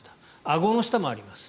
あごの下もあります。